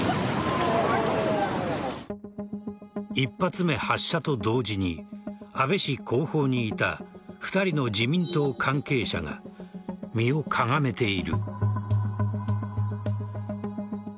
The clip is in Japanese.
１発目発射と同時に安倍氏後方にいた２人の自民党関係者が身をかがめている。